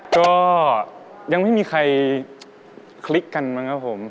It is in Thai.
ก็ยังไม่มีใครคลิกกันมั้งครับผม